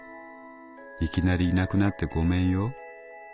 いきなりいなくなってごめんよ』